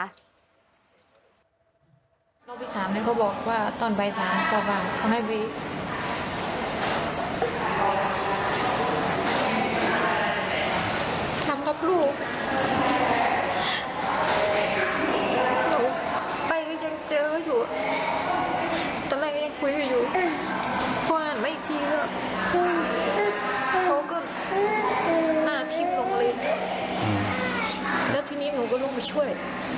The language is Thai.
หน้าที่โรงเรียนแล้วทีนี้หนูก็ลงไปช่วย